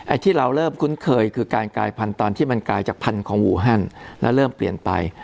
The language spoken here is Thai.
ที่เราเริ่มคุ้นเคยคือการกลายพันธุ์ตอนที่มันกลายจากพันธุ์ของอูฮันแล้วเริ่มเปลี่ยนไป